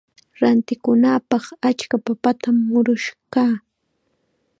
Rantikunapaq achka papatam murush kaa.